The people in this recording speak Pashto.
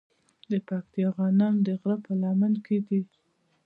د پکتیا غنم د غره په لمن کې دي.